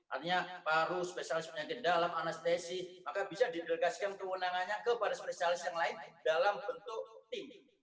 artinya paru spesialis penyakit dalam anestesi maka bisa didelegasikan kewenangannya kepada spesialis yang lain dalam bentuk tim